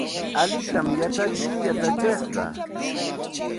Allintam yachachin yachachiqqa.